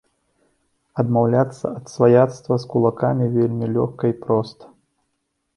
Адмаўляюцца ад сваяцтва з кулакамі вельмі лёгка і проста.